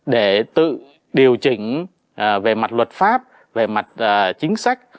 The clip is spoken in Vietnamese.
để tự điều chỉnh về mặt luật pháp về mặt chính sách